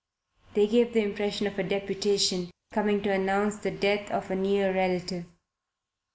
They gave the impression of a deputation coming to announce the death of a near relative.